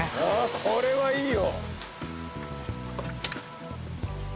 これはいいよ。